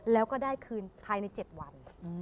แล้วก็ได้คืนภายใน๗วัน